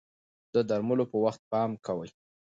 د درملو په وخت پام کوئ.